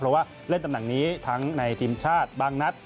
เพราะว่าเล่นตำแหน่งนี้ทั้งในทีมชาติบางนัด